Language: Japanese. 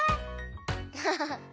アハハハ！